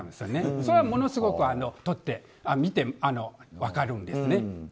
それはものすごく見て分かるんです。